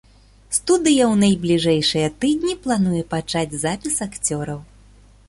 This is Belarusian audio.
Студыя ў найбліжэйшыя тыдні плануе пачаць запіс акцёраў.